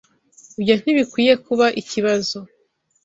Ibyo ntibikwiye kuba ikibazo.